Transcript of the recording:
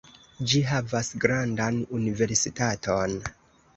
Ĝi havas grandan universitaton.